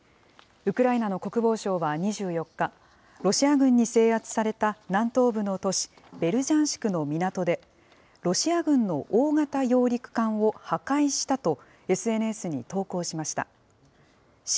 ウクライナの国防省は２４日、ロシア軍に制圧された南東部の都市ベルジャンシュクの港で、ロシア軍の大型揚陸艦を破壊したとＳＮＳに投稿しました。